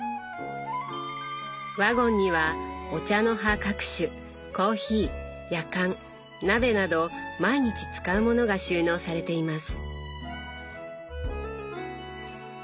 ワゴンにはお茶の葉各種コーヒーやかん鍋など毎日使うものが収納されています。